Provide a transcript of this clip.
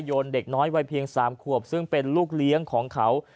เด็กน้อยวัยเพียง๓ขวบซึ่งเป็นลูกเลี้ยงของเขา